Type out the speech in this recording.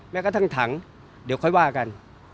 แม้กระทั่งถังเดี๋ยวค่อยว่ากัน